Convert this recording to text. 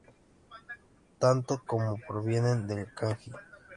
Tanto ほ como ホ provienen del kanji 保.